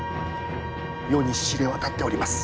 世に知れ渡っております。